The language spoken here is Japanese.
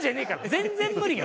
全然無理よ